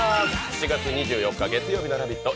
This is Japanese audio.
７月２４日月曜日の「ラヴィット！」